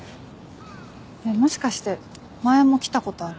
えっもしかして前も来たことある？